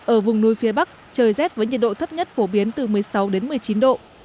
ở vùng núi phía bắc trời rét với nhiệt độ thấp nhất phổ biến từ một mươi sáu đến một mươi chín độ